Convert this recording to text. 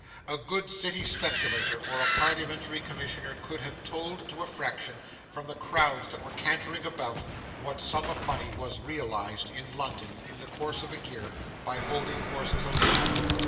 A good city speculator or a parliamentary commissioner could have told to a fraction, from the crowds that were cantering about, what sum of money was realised in London, in the course of a year, by holding horses alone.